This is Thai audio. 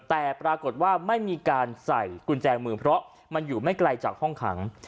แต่ปรากฏว่าไม่มีการใส่กุญแจมือเพราะมันอยู่ไม่ไกลจากห้องขัง